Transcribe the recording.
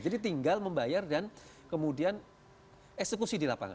jadi tinggal membayar dan kemudian eksekusi di lapangan